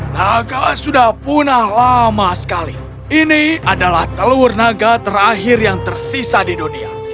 naga sudah punah lama sekali ini adalah telur naga terakhir yang tersisa di dunia